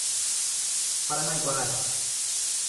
Paranaiguara